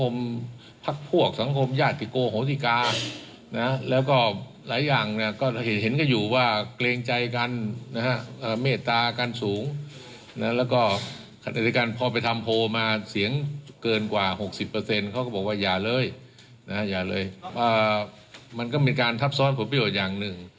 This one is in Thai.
มันก็เป็นการทับซ้อนผลประโยชน์อย่างหนึ่ง